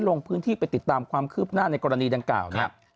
ลงพื้นที่ไปติดตามความคืบหน้าในกรณีดังกล่าวนะครับ